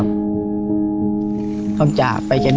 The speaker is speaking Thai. ลองกันถามอีกหลายเด้อ